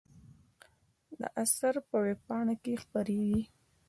دا اثر په وېبپاڼه کې خپریږي.